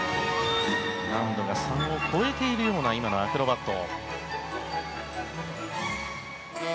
難度が３を超えているようなアクロバット。